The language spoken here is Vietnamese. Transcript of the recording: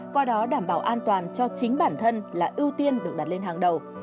qua đó đảm bảo an toàn cho chính bản thân là ưu tiên được đặt lên hàng đầu